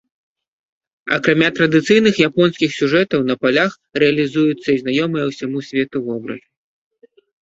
Акрамя традыцыйных японскіх сюжэтаў на палях рэалізуюцца і знаёмыя ўсяму свету вобразы.